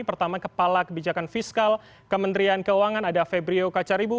pertama kepala kebijakan fiskal kementerian keuangan ada febrio kacaribu